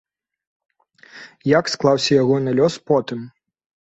Як склаўся ягоны лёс потым?